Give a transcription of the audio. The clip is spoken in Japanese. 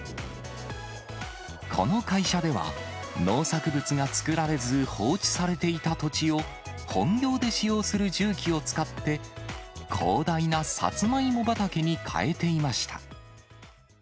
この会社では、農作物が作られず放置されていた土地を、本業で使用する重機を使って、広大なサツマイモ畑に変えていました。